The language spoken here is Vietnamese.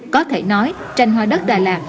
có thể nói tranh hoa đất đà lạt